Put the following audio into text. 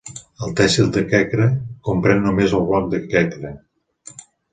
El thesil de Khekra comprèn només el bloc de Khekra.